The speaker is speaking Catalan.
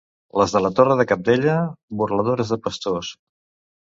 Les de la Torre de Cabdella, burladores de pastors.